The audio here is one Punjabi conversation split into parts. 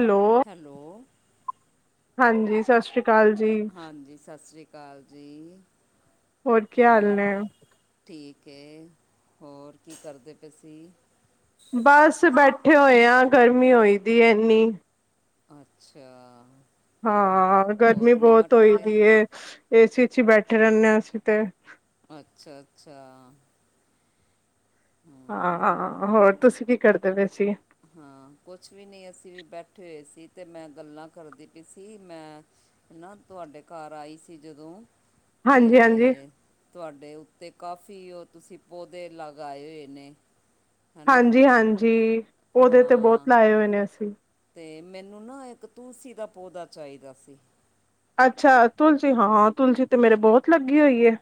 ਹੈਲੋ, ਹੈਲੋ ਹਾਂਜੀ ਸਤਿ ਸ੍ਰੀ ਕਾਲ। ਹਾਂਜੀ ਸਤਿ ਸ਼੍ਰੀ ਅਕਾਲ ਜੀ, ਕੀ ਹਾਲ ਹੋਰ ਨੇ? ਠੀਕ ਏ, ਹੋਰ ਕੀ ਕਰਦੇ ਪਏ ਸੀ? ਬਸ ਬੈਠੇ ਹੋਏ ਆ ਗਰਮੀ ਹੋਈ ਦੀ ਐ ਐਨੀ। ਅੱਛਾ। ਹਾਂ, ਗਰਮੀ ਹੋਰ ਬੋਤ ਨਿਮਟ ਹੋਈ ਗਏ ਪੀ ਏ, ਏਸੀ ਚ ਈ ਬੈਠੇ ਰੈਣੇ ਅਸੀਂ ਤੇ ਅੱਛਾ ਅੱਛਾ। ਹਂ। ਹਾਂ, ਹੋਰ ਤੁਸੀਂ ਕੀ ਕਰਦੇ ਪਏ ਸੀ? ਹਾਂ, ਕੁਛ ਵੀ ਨੀਂ, ਅਸੀਂ ਵੀ ਬੈਠੇ ਹੋਏ ਸੀ ਤੇ ਮੈਂ ਗੱਲਾਂ ਕਰਦੀ ਪੀ ਸੀ। ਮੈਂ ਨਾਂ ਤੁਆਡੇ ਘਰ ਆਈ ਸੀ ਜਦੋਂ ਤੇ ਹਾਂਜੀ-ਹਾਂਜੀ, ਤੁਆਡੇ ਉੱਤੇ ਕਾਫੀ ਓ ਤੁਸੀਂ ਪੌਦੇ ਲਗਾਏ ਹੋਏ ਨੇਂ। ਹਾਂਜੀ ਹਾਂਜੀ, ਓਦੇ ਤੇ ਬੋਤ ਲਾਏ ਹੋਏ ਨੇ ਅਸੀਂ। ਤੇ ਮੈਨੂੰ ਨਾ ਇੱਕ ਤੁਲਸੀ ਦਾ ਪੌਦਾ ਚਾਈਦਾ ਸੀ। ਅੱਛਾ, ਤੁਲਸੀ। ਹਾਂ, ਤੁਲਸੀ ਤੇ ਮੇਰੇ ਬੋਤ ਲੱਗੀ ਹੋਈ ਐ।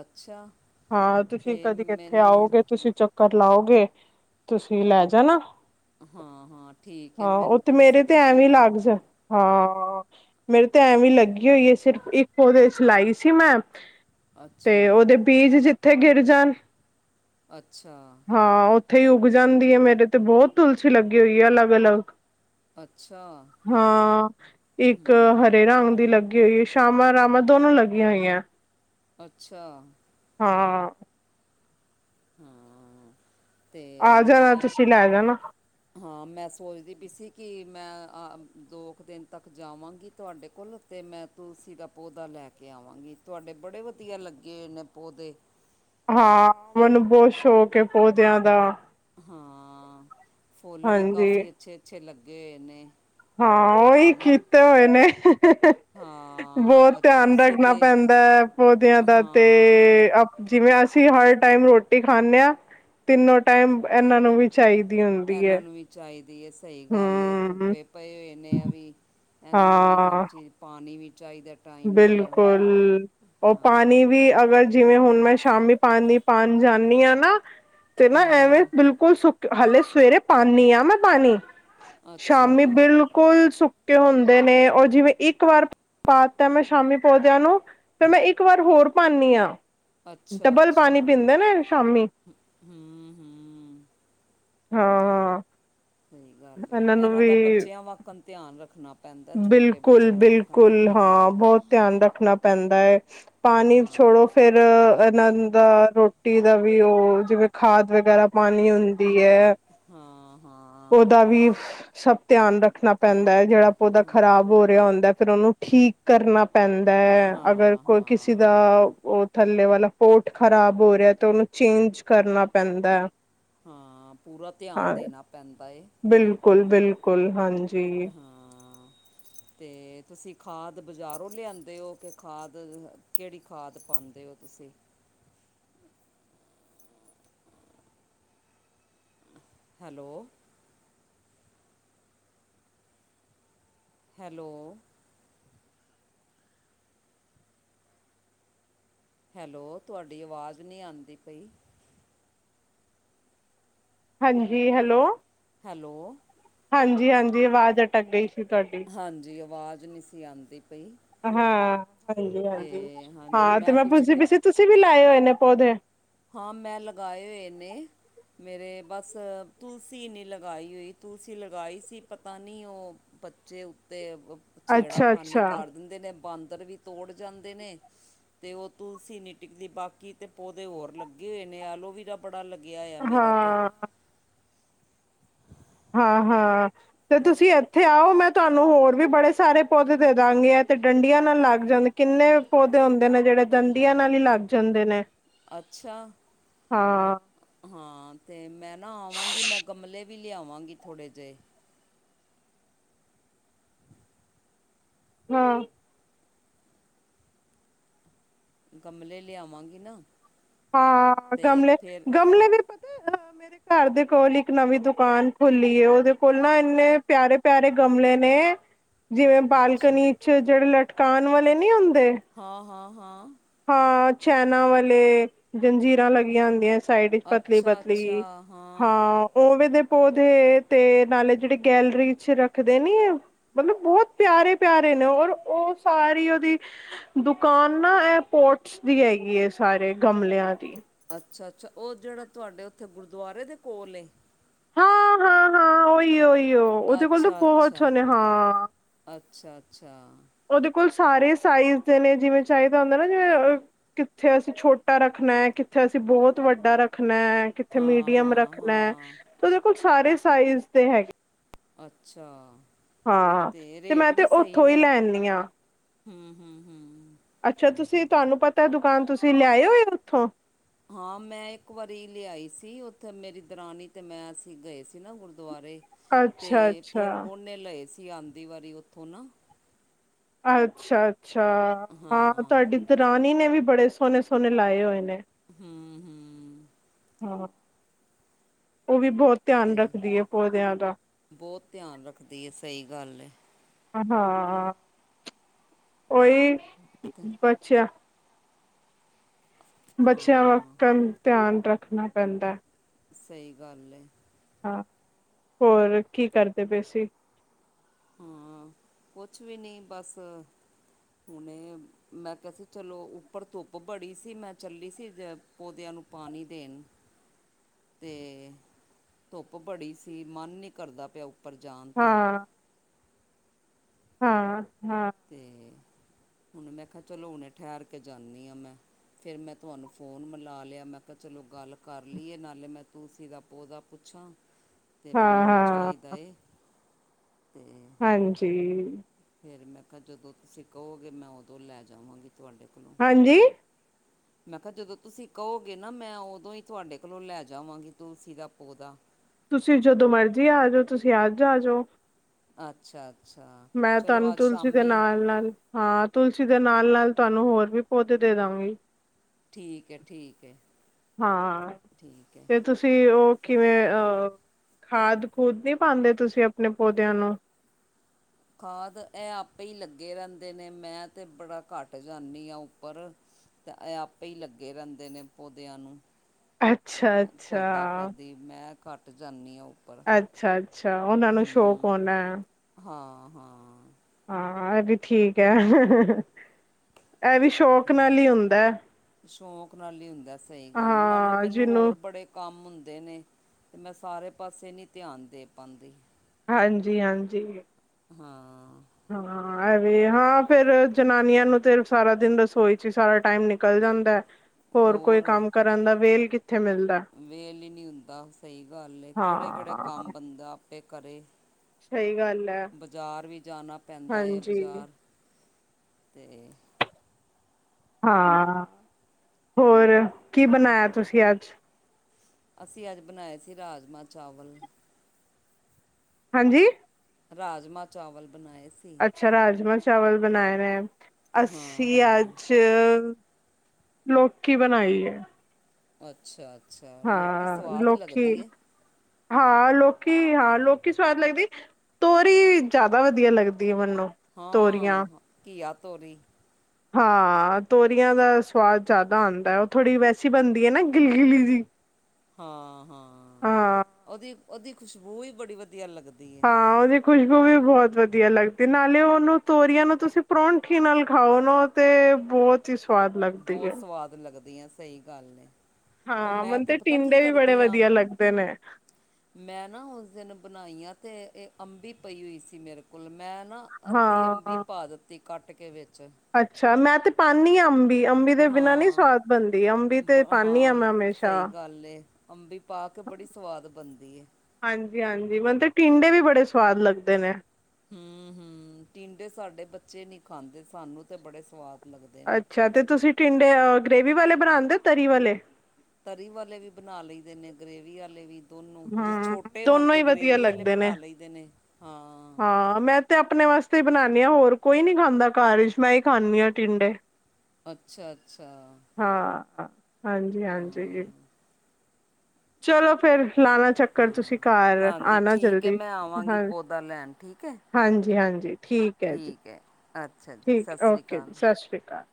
ਅੱਛਾ। ਹਾਂ, ਤੁਸੀਂ ਅਤੇ ਕਦੇ ਇੱਥੇ ਮੈਨੂੰ ਆਓਗੇ, ਤੁਸੀਂ ਚੱਕਰ ਲਾਓਗੇ ਤੁਸੀਂ ਲੈ ਜਾਣਾ। ਹਾਂ ਹਾਂ ਠੀਕ ਹੈ ਹਾਂ, ਓ ਮੈਨੂੰ ਤੇ ਮੇਰੇ ਤੁਲਸੀ ਤੇ ਦਾ ਐਵੇਂ ਪੌਦਾ ਲਗ ਜ਼ ਹਾਂ, ਮੇਰੇ ਤੇ ਅ ਐਵੇਂ ਲੱਗੀ ਹੋਈ ਐ ਸਿਰਫ ਇੱਕ ਓਦੇ ਲਾਈ ਸੀ ਮੈਂ ਤੇ ਅੱਛਾ ਓਦੇ ਬੀਜ ਜਿੱਥੇ ਗਿਰ ਜਾਣ ਅੱਛਾ। ਹਾਂ, ਓਥੇ ਈ ਉੱਗ ਜਾਂਦੀ ਐ, ਮੇਰੇ ਤੇ ਬੋਤ ਤੁਲਸੀ ਲੱਗੀ ਹੋਈ ਐ ਅਲਗ, ਅਲਗ। ਅੱਛਾ ਹਾਂ, ਇੱਕ ਹੂੰ ਹਰੇ ਰੰਗ ਦੀ ਲੱਗ ਲਗੀ ਹੋਈਏ, ਸ਼ਾਮਾਂ ਰਾਮਾਂ ਦੋਨੋਂ ਲੱਗੀਆਂ ਹੋਈਆਂ। ਅੱਛਾ। ਹਾਂ। ਹਾਂ ਤੇ ਆ ਜਾਣਾ ਮੈਂ ਤੁਸੀਂ ਲੈ ਜਾਣਾ ਹਾਂ, ਮੈਂ ਸੋਚਦੀ ਪੀ ਸੀ ਕਿ ਮੈਂ ਆ ਦੋ ਕੁ ਦਿਨ ਤੱਕ ਜਾਵਾਂਗੀ ਤੁਆਡੇ ਕੋਲ ਤੇ ਮੈਂ ਤੁਲਸੀ ਦਾ ਪੌਦਾ ਲੈ ਕੇ ਆਵਾਂਗੀ, ਤੁਅਡੇ ਬੜੇ ਵਧੀਆ ਲੱਗੇ ਨੇ ਪੌਦੇ। ਹਾਂ, ਮੈਨੂੰ ਬੋਤ ਸ਼ੌਕ ਐ ਪੌਦਿਆਂ ਦਾ। ਹਾਂ, ਫੁੱਲ ਵੀ ਹਾਂਜੀ ਕਾਫੀ ਅੱਛੇ-ਅੱਛੇ ਲੱਗੇ ਹੋਏ ਨੇਂ। ਹਾਂ, ਉਈ ਕੀਤੇ ਹੋਏ ਨੇ। ਬੋਤ ਹਾਂ ਅੱਛਾ ਧਿਆਨ ਤੁਸੀਂ ਰੱਖਣਾ ਦੇ ਪੈਂਦਾ ਐ, ਪੌਦਿਆਂ ਦਾ ਤੇ ਹਾਂ ਜਿਵੇਂ ਅਸੀਂ ਹਰ ਟਾਈਮ ਰੋਟੀ ਖਾਂਣੇ ਆਂ ਤਿੰਨੋ ਟਾਈਮ, ਏਨ੍ਹਾਂ ਨੂੰ ਵੀ ਚਾਹੀਦੀ ਹੁੰਦੀ ਹੈ ਇਨ੍ਹਾਂ ਨੂੰ ਵੀ ਚਾਈਦੀ ਏ, ਸਈ ਗੱਲ ਏ ਹਮ ਧੁੱਪੇ ਪਏ ਹੋਏ ਨੇ ਏ ਵੀ ਇਨ੍ਹਾਂ ਨੂੰ ਵੀ ਹਰ ਹਾਂ ਚੀਜ਼ ਪਾਣੀ ਵੀ ਚਾਈਦਾ ਬਿਲਕੁਲ। ਓ ਪਾਣੀ ਹਾਂ ਵੀ ਅਗਰ ਜਿਵੇਂ ਹੁਣ ਮੈਂ ਸ਼ਾਮੀ ਪਾਣੀ ਪਾਨ ਜਾਣੀ ਆਂ ਨਾਂ ਤੇ ਨਾਂ ਐਵੇਂ ਹੂੰ ਬਿਲਕੁਲ ਸੁੱਕ, ਹਲੇ ਸਵੇਰੇ ਪਾਂਨੀ ਆਂ ਮੈਂ ਪਾਣੀ, ਸ਼ਾਮੀ ਅੱਛਾ ਬਿਲ ਕੁਲ ਸੁੱਕੇ ਹੁੰਦੇ ਨੇਂ, ਓ ਜਿਵੇਂ ਇੱਕ ਵਾਰ ਪਾ ਤੇ ਮੈਂ ਸ਼ਾਮੀ ਪੌਦਿਆਂ ਨੂੰ ਫਿਰ ਮੈਂ ਇੱਕ ਵਾਰ ਹੋਰ ਪਾਨੀਂ ਆਂ। ਅੱਛਾ ਅੱਛਾ, ਸ਼ਾਮੀ ਹਂ, ਹਂ। ਹਾਂ ਹਾਂ। ਸਈ ਗੱਲ ਇਹਨਾਂ ਨੂੰ ਇਨ੍ਹਾਂ ਵੀ ਦਾ ਬੱਚਿਆਂ ਵਕਣ ਧਿਆਨ ਰੱਖਣਾ ਪੈਂਦਾ ਛੋਟੇ ਬਿਲਕੁਲ ਬੱਚਿਆਂ ਵਾਕਨ ਬਿਲਕੁਲ। ਹਾਂ, ਬੋਤ ਧਿਆਨ ਰੱਖਣਾ ਪੈਂਦਾ ਐ। ਪਾਣੀ ਹਾਂ ਛੋੜੋ ਫਿਰ ਅ ਇਨ੍ਹਾਂ ਦਾ ਰੋਟੀ ਦਾ ਵੀ ਓ ਜਿਵੇਂ ਖਾਦ ਵਗੈਰਾ ਪਾਨੀ ਹੁੰਦੀ ਐ, ਹਾਂ ਹਾਂ ਓਦਾ ਵੀ ਸਭ ਧਿਆਨ ਰੱਖਣਾ ਪੈਂਦਾ ਐ, ਜੇੜਾ ਪੌਦਾ ਖ਼ਰਾਬ ਹੋ ਰਿਆ ਹੁੰਦਾ ਐ ਫਿਰ ਓਨੂੰ ਠੀਕ ਕਰਨਾ ਪੈਂਦਾ ਐ, ਅਗਰ ਹਾਂ ਕੋਈ ਕਿਸੇ ਦਾ ਹਾਂ ਓ ਥੱਲੇ ਵਾਲਾ ਪੋਟ ਖ਼ਰਾਬ ਹੋ ਰੇਧੈ ਤਾ ਉਨੂੰ ਚੇਂਜ ਕਰਨਾ ਪੈਂਦੈ ਹਾਂ ਪੂਰਾ ਧਆਨ ਦੇਣਾ ਪੈਂਦਾ ਏ ਬਿਲਕੁਲ- ਬਿਲਕੁਲ। ਹਾਂਜੀ। [inaudible] ਹਾਂ ਤੇ ਤੁਸੀਂ ਖਾਦ ਬਜ਼ਾਰੋਂ ਲਯਾਂਦੇ ਓ ਤੇ ਖਾਦ ਕੇੜੀ ਖਾਦ ਪਾਦੇ ਓ ਤੁਸੀ। ਹੈਲੋ। ਹੈਲੋ। ਹੈਲੋ ਤਵਾਡੀ ਅਵਾਜ਼ ਨੀ ਆਂਦੀ ਪਈ? ਹਾਂਜੀ। ਹੈਲੋ। ਹੈਲੋ। ਹਾਂਜੀ- ਹਾਂਜੀ ਅਵਾਜ਼ ਅਟਕ ਗਈ ਸੀ ਤਵਾਡੀ। ਹਾਂਜੀ। ਅਵਾਜ਼ ਨੀ ਸੀ ਆਂਦੀ ਪਈ। ਹਾਂ। ਹਾਂਜੀ- ਹਾਂਜੀ ਹਾਂ ਤੇ ਮੈਂ ਪੁੱਛਦੀ ਪਈ ਸੀ ਤੁਸੀ ਵੀ ਲਾਏ ਹੋਏ ਨੇ ਪੌਦੇ। ਹਾਂ। ਮੈਂ ਲਗਾਏ ਹੋਏ ਨੇ। ਮੇਰੇ ਬਸ ਤੁਲਸੀ ਨੀ ਲਗਾਈ ਹੋਈ ਤੁਲਸੀ ਲਗਾਈ ਸੀ ਪਤਾ ਨੀ ਉਹ ਬੱਚੇ ਉਤੇ ਵ ਅੱਛਾ ਛੇੜਾਖਾਨੀ ਅੱਛਾ ਕਰ ਦਿੰਦੇ ਨੇ ਬਾਂਦਰ ਵੀ ਤੋੜ ਜਾਂਦੇ ਨੇ ਤੇ ਉਹ ਤੁਲਸੀ ਨੀ ਟਿਕਦੀ ਬਾਕੀ ਤੇ ਪੌਦੇ ਹੋਰ ਲੱਗੇ ਹੋਏ ਨੇ ਐਲੋਵੀਰਾ ਬੜਾ ਲੱਗਿਆ ਹੋਯੋ ਮੇਰਾ ਤੇ ਹਾਂ ਹਾਂ- ਹਾਂ ਤੇ ਤੁਸੀਂ ਅ ਇੱਥੇ ਆਓ, ਮੈਂ ਤੁਹਾਨੂੰ ਹੋਰ ਵੀ ਬੜੇ ਸਾਰੇ ਪੌਦੇ ਦੇ ਦਾਂਗੀ। ਏ ਤੇ ਡੰਡੀਆਂ ਨਾਲ ਲੱਗ ਜਾਂਨੇ ਕਿੰਨੇ ਪੌਦੇ ਹੁੰਦੇ ਨੇ ਜੇੜੇ ਡੰਡੀਆਂ ਨਾਲ ਈ ਲੱਗ ਜਾਂਦੇ ਨੇ ਅੱਛਾ। ਹਾਂ ਹਾਂ ਤੇ ਮੈਂ ਨਾ ਆਵਾਂਗੀ ਮੈਂ ਗਮਲੇ ਵੀ ਲਯਾਵਾਂਗੀ ਥੋੜੇ ਜੇ ਹਾਂ। ਗਮਲੇ ਲਯਾਵਾਂਗੀ ਨਾ ਹਾਂ। ਅਤੇ ਗਮਲੇ- ਫਿਰ ਗਮਲੇ ਵਿਰ [inaudible] ਘਰ ਦੇ ਕੋਲ ਇੱਕ ਨਵੀਂ ਦੁਕਾਨ ਖੁੱਲੀ ਏ ਉਦੇ ਕੋਲ ਨਾ ਇੰਨੇ ਪਯਾਰੇ- ਪਯਾਰੇ ਗਮਲੇ ਨੇ [inaudible] ਜਿਵੇਂ ਅੱਛਾ ਬਾਲਕਨੀ ਚ ਜੇੜੇ ਲਟਕਾਨ ਵਾਲੇ ਨੀ ਹੁੰਦੇ ਹਾਂ- ਹਾਂ- ਹਾਂ। ਹਾਂ। ਚੈਨਾਂ ਵਾਲੇ ਜੰਜੀਰਾਂ ਲੱਗੀਆਂ ਹੁੰਦੀਐ। ਸਾਈਡ ਇਚ ਪਤਲੀ ਅੱਛਾ ਅੱਛਾ -ਪਤਲੀ, ਹਾਂ। ਓਵੇੰ ਦੇ ਪੌਦੇ ਤੇ ਨਾਲੇ ਜੇੜੇ ਗੈਲਰੀ ਚ ਰੱਖਦੇ ਨੀ ਐ ਮਤਲਬ ਬਹੁਤ ਪਯਾਰੇ- ਪਯਾਰੇ ਨੇ ਔਰ ਉਹ ਸਾਰੀ ਉਦੀ ਦੁਕਾਨ ਨਾ ਐੰ ਪੋਟਸ ਦੀ ਹੈਗੀ ਏ, ਸਾਰੇ ਗਮਲਯਾਂ ਦੀ। ਅੱਛਾ -ਅੱਛਾ। ਉਹ ਜੇੜਾ ਤੁਹਾਡੇ ਉਥੇ ਗੁਰਦੁਆਰੇ ਦੇ ਕੋਲ ਏ। ਹਾਂ- ਹਾਂ- ਹਾਂ। ਉਈ- ਉਈ ਓ ਉਦੇ ਕੋਲ ਤੇ ਅੱਛਾ ਬਹੁਤ ਅੱਛਾ ਸੋਣੇੇ ਹਾਂ ਅੱਛਾ- ਅੱਛਾ। ਉਦੇ ਕੋਲ ਸਾਰੇ ਸਾਈਜ਼ ਦੇ ਨੇ ਜਿਵੇਂ ਚਾਈਦਾ ਹੁੰਦਾ ਨਾ ਜਿਵੇਂ ਅ ਕਿੱਥੇ ਅਸੀ ਛੋਟਾ ਰੱਖਨੈ, ਕਿੱਥੇ ਅਸੀ ਬਹੁਤ ਵੱਡਾ ਰੱਖਨੈ ਕਿੱਥੇ ਹਾਂ ਮੀਡੀਯਮ ਹਾਂ ਰੱਖਨੈ ਹਾਂ ਤੇ ਉਦੇ ਕੋਲ ਸਾਰੇ ਸਾਈਜ਼ ਦੇ ਹੈਗੇ। ਅੱਛਾ। ਹਾਂ ਤੇ ਮੈਂ ਤੇ ਔਥੋਂ ਈ ਲੈਨੀ ਆਂ ਹਮ- ਹਮ- ਹਮ। ਅੱਛਾ ਤੁਸੀਂ ਤੁਹਾਨੂੰ ਪਤਾ ਦੁਕਾਨ ਤੁਸੀਂ ਲਿਆ ਹੋਏ ਉੱਥੋਂ ਹਾਂ ਮੈਂ ਇੱਕ ਵਾਰੀ ਲਿਆਈ ਸੀ ਉੱਥੇ ਮੇਰੀ ਦਰਾਨ ਤੇ ਮੈਂ ਅਸੀਂ ਗਏ ਸੀ ਨਾ ਗੁਰਦੁਆਰੇ ਤੇ ਅੱਛਾ ਫੇਿਰ ਅੱਛਾ ਉਹਓਨੇ ਲਏ ਸੀ ਆਉਂਦੀ ਵਾਰੀ ਉੱਥੋਂ ਨਾ ਅੱਛਾ ਅੱਛਾ ਹਾਂ ਤੁਹਾਡੀ ਤੇ ਰਾਣੀ ਨੇ ਵੀ ਬੜੇ ਸੋਹਨੇ ਸੋਹਨੇ ਲਾਏ ਹੋਏ ਨੇ ਹਮ ਹਮ ਹਾਂ ਉਹ ਵੀ ਬਹੁਤ ਧਿਆਨ ਤੇ ਰੱਖਦੀ ਐ ਪੌਦਿਆਂ ਦਾ ਬਹੁਤ ਧਿਆਨ ਰੱਖਦੀ ਐ ਸਹੀ ਗੱਲ ਐ ਹਾਂ ਉਹੀ ਬੱਚਿਆ ਬੱਚਿਆਂ ਹਾਂ ਵਕਨ ਧਿਆਨ ਰੱਖਣਾ ਪੈਂਦਾ ਸਹੀ ਗੱਲ ਐ ਹਾਂ ਹੋਰ ਕੀ ਕਰਦੇ ਪਏ ਸੀ ਹਾਂ ਕੁਛ ਵੀ ਨੀ ਬਸ ਹੁਨੇ ਮੈਂ ਕਿਹਾ ਸੀ ਚਲੋ ਉੱਪਰ ਧੁੱਪ ਬੜੀ ਸੀ ਮੈਂ ਚੱਲੀ ਸੀ ਜੈ ਪੋਦਿਆਂ ਨੂੰ ਪਾਣੀ ਦੇਣ ਤੇ ਧੁੱਪ ਬੜੀ ਸੀ ਮਨ ਨੀ ਕਰਦਾ ਪਿਆ ਉੱਪਰ ਜਾਨ ਹਾਂ ਤੇ ਹਾਂ ਹਾਂ ਅਤੇ ਹੁਣ ਮੈਂ ਕਿਹਾ ਚਲੋ ਹੁਣੇ ਠਹਿਰ ਕੇ ਜਾਨੀ ਆਂ ਮੈਂ ਫਿਰ ਮੈਂ ਤੁਹਾਨੂੰ ਫੋਨ ਮਿਲਾ ਲਯਾ ਮੈਂ ਕਿਹਾ ਚਲੋ ਗੱਲ ਕਰ ਲਈਏ ਨਾਲੇ ਮੈਂ ਤੁਸੀ ਦਾ ਪੋਦਾ ਪੁੱਛਾਂ ਤੇ ਵੀ ਹਾਂ ਮੈਨੂੰ ਹਾਂ ਚਾਹੀਦਾ ਏ ਤੇ ਹਾਂਜੀ ਫੇਰ ਮੈਂ ਕਿਹਾ ਜਦੋਂ ਤੁਸੀਂ ਕਹੋਗੇ ਮੈਂ ਉਦੋਂ ਲੈ ਜਾਵਾਂਗੀ ਤੁਹਾਡੇ ਕੋਲੋਂ ਹਾਂਜੀ [inaudible] ਮੈਂ ਕਿਹਾ ਜਦੋਂ ਤੁਸੀਂ ਕਹੋਗੇ ਨਾ ਮੈਂ ਉਦੋਂ ਹੀ ਤੁਹਾਡੇ ਕੋਲੋਂ ਲੈ ਜਾਵਾਂਗੀ ਤੁਲਸੀ ਦਾ ਪੋਦਾ ਤੁਸੀਂ ਜਦੋਂ ਮਰਜ਼ੀ ਆ ਜੋ ਤੁਸੀਂ ਅੱਜ ਆ ਜੋ ਅੱਛਾ ਅੱਛਾ ਮੈਂ ਤਾਨੂੰ ਚਲੋ ਅੱਜ ਤੁਲਸੀ ਦੇ ਸ਼ਾਮੀ ਨਾਲ ਨਾਲ ਹਾਂ ਤੁਲਸੀ ਦੇ ਨਾਲ ਨਾਲ ਤੁਹਾਨੂੰ ਹੋਰ ਵੀ ਪੋਦੇ ਦੇ ਦਾਉਗੀ ਠੀਕ ਐ ਠੀਕ ਐ ਹਾਂ ਤੇ ਤੁਸ ਤੁਸੀਂ ਉਹ ਕਿਵੇਂ ਅਹ ਖਾਦ ਖੂਦ ਨਹੀਂ ਪਾਂਦੇ ਤੁਸੀਂ ਆਪਣੇ ਪੋਦਿਆਂ ਨੂੰ ਖਾਦ ਐਹ ਆਪੇ ਹੀ ਲੱਗੇ ਰਹਿੰਦੇ ਨੇ ਮੈਂ ਤੇ ਬੜਾ ਘੱਟ ਜਾਨੀ ਆਂ ਉੱਪਰ ਤੇ ਐਹ ਆਪੇ ਹੀ ਲੱਗੇ ਰਹਿੰਦੇ ਨੇ ਪੌਦਿਆਂ ਨੂੰ ਅੱਛਾ ਅੱਛਾ ਖੋਦਾ ਖਾਦੀ ਮੈਂ ਘੱਟ ਜਾਨੀ ਆਂ ਉੱਪਰ ਅੱਛਾ ਅੱਛਾ ਉਹਨਾਂ ਨੂੰ ਸ਼ੌਕ ਹੂੰ ਹੋਣਾ ਐ ਹਾਂ ਹਾਂ ਹਾਂ ਐਹ ਵੀ ਠੀਕ ਹੈ ਐਹ ਵੀ ਸ਼ ਤੇ ਸ਼ੌਕ ਨਾਲ ਈ ਹੁੰਦਾ ਸਹੀ ਗੱਲ ਨਾਲੇ ਹਾਂ ਮੈਨੂੰ ਜਿਹਨੂੰ ਹੋਰ ਬੜੇ ਕੰਮ ਹੁੰਦੇ ਨੇ ਤੇ ਮੈਂ ਸਾਰੇ ਪਾਸੇ ਨੀ ਧਿਆਨ ਦੇ ਪਾਂਦੀ ਹਾਂਜੀ ਹਾਂਜੀ ਹਾਂ ਹਾਂ ਐਹ ਵੀ ਹਾਂ ਫੇਿਰ ਜਨਾਨੀਆਂ ਨੂੰ ਤੇ ਸਾਰਾ ਦਿਨ ਰਸੋਈ ਚ ਹੀ ਸਾਰਾ ਟਾਈਮ ਨਿਕਲ ਜਾਂਦਾ ਐ ਹੋਰ ਕੋਈ ਕੰਮ ਕਰਨ ਦਾ ਵੇਲ ਕਿੱਥੇ ਮਿਲ ਵੇਲ ਹੀ ਨਹੀਂ ਹੁੰਦਾ ਸਹੀ ਗੱਲ ਕਿਹੜੇ ਕਿਹੜੇ ਕੰਮ ਹਾਂ ਬੰਦਾ ਆਪੇ ਕਰੇ ਸਹੀ ਗੱਲ ਹੈ ਬਜਾਰ ਵੀ ਜਾਨਾ ਪੈਂਦਾ ਏ ਹਾਂਜੀ ਬਜਾਰ, ਤੇ ਹਾਂ, ਹੋਰ ਕੀ ਚਲੋ ਬਨਾਏਆ ਤੁਸੀਂ ਅੱਜ? ਅਸੀਂ ਅੱਜ ਬਨਾਏ ਸੀ ਰਾਜਮਾਂ-ਚਾਵਲ। ਹਾਂਜੀ। ਰਾਜਮਾ-ਚਾਵਲ ਬਨਾਏ ਸੀ ਅੱਛਾ ਰਾਜਮਾ ਚਾਵਲ ਬਨਾਏ ਨੇ, ਹਾਂ ਅੱਸੀ ਹਾਂ ਅੱਜ। ਅ ਲੋਕੀ ਬਨਾਈ ਏ। ਅੱਛਾ-ਅੱਛਾ, ਲੋਕੀ ਹਾਂ ਸਵਾਦ ਲੋਕੀ ਲੱਗਦੀ ਏ। ਹਾਂ, ਲੋਕੀ ਹਾਂ ਲੋਕੀ ਸਵਾਦ ਲੱਗਦੀ ਤੋਰੀ ਜਾਦਾ ਵਦੀਆ ਲੱਗਦੀ ਏ ਮੈਨੂੰ। ਹਾਂ, ਤੋਰੀਆਂ ਘੀਆ ਤੋਰੀ ਹਾਂ, ਤੋਰੀਆਂ ਦਾ ਸਵਾਦ ਜਾਦਾ ਆਂਦਾ ਓ ਥੋੜੀ ਵੈਸੀ ਬਨਦੀ ਏ ਨਾ ਗਿੱਲ-ਗਿੱਲੀ ਜੀ। ਹਾਂ-ਹਾਂ, ਹਾਂ ਓਦੀ ਓਦੀ ਖੁਸ਼ਬੂ ਈ ਬੜੀ ਵਦੀਆ ਲੱਗਦੀ ਹੈ ਹਾਂ, ਓਦੀ ਖੁਸ਼ਬੂ ਵੀ ਬੋਹਤ ਵਦੀਆ ਲੱਗਦੀ ਨਾਲੇ ਓਨੂੰ ਤੋਰੀਆਂ ਨੂੰ ਤੁਸੀਂ ਪਰੌਂਠੀ ਨਾਲ ਖਾਓ ਨਾਂ [inaudible] ਬੋਤ ਈ ਸਵਾਦ ਲੱਗ ਬੋਤ ਸਵਾਦ ਲੱਗਦੀ ਆਂ ਸਈ ਗਾੱਲ ਏ ਹਾਂ, ਮਨ ਤੇ ਟੀਂਡੇ ਵੀ ਬੜੇ ਵਦੀਆ ਲੱਗਦੇ ਨੇ। ਮੈਂ ਨਾ ਓਸ ਦਿਨ ਬਨਾਈਆਂ ਤੇ ਏ ਅੰਬੀ ਪਈ ਹੋਈ ਸੀ ਮੇਰੇ ਕੋਲ ਮੈਂ ਨਾ ਅੱਦੀ ਅੰਬੀ ਹਾਂ ਪਾ ਦੱਤੀ ਕਾੱਟ ਕੇ ਵੇੱਚ ਅੱਛਾ ਮੈਂ ਤੇ ਪਾਨੀਂ ਆਂ ਅੰਬੀ, ਅੰਬੀ ਦੇ ਬਿਨਾਂ ਨੀ ਹਾਂ ਸਵਾਦ ਬਨਦੀ ਅੰਬੀ ਤੇ ਪਾਨੀਂ ਆ ਮੈਂ ਹਮੇਸ਼ਾ ਹੱਲੇ ਅੰਬੀ ਪਾ ਕੇ ਬੜੀ ਸਵਾਦ ਬਨਦੀ ਏ। ਹਾਂਜੀ-ਹਾਂਜੀ, ਮੇਨ ਤੇ ਟੀਂਡੇ ਵੀ ਬੜੇ ਸਵਾਦ ਲੱਗਦੇ ਨੇ ਹੂੰ-ਹੂੰ, ਟੀਂਡੇ ਸਾੱਡੇ ਬੱਚੇ ਨੀ ਖਾਂਦੇ ਸਾਨੂੰ ਤੇ ਬੜੇ ਸਵਾਦ ਲੱਗਦੇ ਨੇ ਅੱਛਾ ਤੇ ਤੁਸੀਂ ਟਿੰਡੇ ਅ ਗ੍ਰੇਵੀ ਵਾਲੇ ਬਣਾਂਦੇ ਤਰੀ ਵਾਲੇ? ਤਰੀ ਵਾਲੇ ਵੀ ਬਨਾ ਲਈਦੇ ਨੇ ਗ੍ਰੇਵੀ ਆਲੇ ਵੀ। ਦੋਨੋਂ, ਜੇ ਹੂੰ ਛੋਟੇ ਹੋਨ ਦੋਨੋਂ ਤੇ ਈ ਵਧੀਆ ਗ੍ਰੇਵੀ ਆਲੇ ਲੱਗਦੇ ਨੇ। ਬਨਾ ਲਈਦੇ ਨੇ ਹਾਂ। ਤੇ ਅਪਨੇ ਵਾਸਤੇ ਈ ਬਨਾਨੀ ਆ ਹੋਰ ਕੋਈ ਨੀ ਖਾਂਦਾ ਘਾਰ ਈਚ ਮੈਂ ਈ ਖਾਂਨੀ ਆਂ ਟਿੰਡੇ। ਅੱਛਾ-ਅੱਛਾ। ਹਾਂ, ਹਾਂ, ਹਾਂਜੀ-ਹਾਂਜੀ ਚਲੋ ਫੇਰ ਲਾਨਾ ਤੇ ਚੱਕਰ ਤੁਸੀਂ ਹਾਂ ਘਾਰ ਹਾਂਜੀ ਆਨਾ ਠੀਕ ਹੈ ਜਲਦੀ, ਮੈਂ ਆਵਾਂਗੀ ਹਾਂ ਪੌਦਾ ਲੈਣ ਠੀਕ ਹੈ ਹਾਂਜੀ-ਹਾਂਜੀ ਠੀਕ ਐ ਜੀ, ਹੈ ਅੱਛਾ ਜੀ ਠੀਕ ਐ ਸਤਿ ਸ਼੍ਰੀ ਓਕੇ ਜੀ ਅਕਾਲ ਸਸ੍ਰੀ਼ ਕਾਲ।